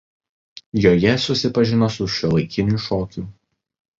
Joje susipažino su šiuolaikiniu šokiu.